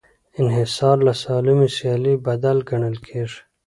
انحصار له سالمې سیالۍ بد ګڼل کېږي.